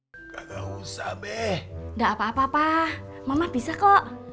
enggak usah be enggak apa apa mama bisa kok